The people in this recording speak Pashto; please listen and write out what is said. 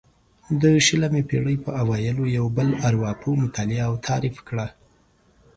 د شلمې پېړۍ په اوایلو یو بل ارواپوه مطالعه او تعریف کړه.